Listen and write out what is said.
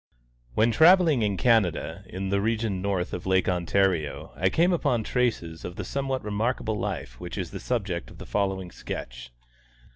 _When travelling in Canada, in the region north of Lake Ontario, I came upon traces of the somewhat remarkable life which is the subject of the following sketch.